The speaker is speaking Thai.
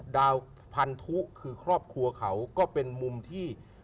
ดาวพันธุคือครอบครัวเขาก็เป็นมุมที่